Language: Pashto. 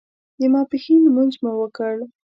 د ماسپښین لمونځ مو وکړ.